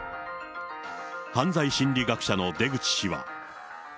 犯罪心理学者の出口氏は。